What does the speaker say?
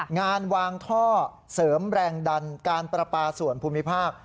งานวางท่อเสริมแรงดันการประปาส่วนภูมิภาค